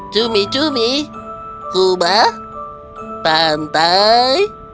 cumi cumi kubah pantai